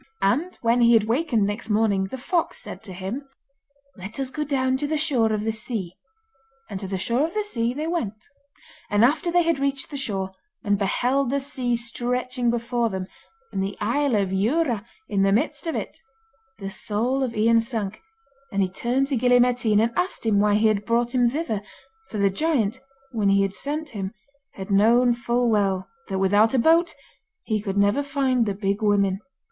And when he had wakened next morning the fox said to him: 'Let us go down to the shore of the sea.' And to the shore of the sea they went. And after they had reached the shore, and beheld the sea stretching before them, and the isle of Dhiurradh in the midst of it, the soul of Ian sank, and he turned to Gille Mairtean and asked why he had brought him thither, for the giant, when he had sent him, had known full well that without a boat he could never find the Big Women.